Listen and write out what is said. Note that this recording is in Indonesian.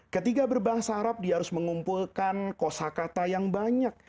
ketika berbahasa arab dia harus mengumpulkan kosa kata yang banyak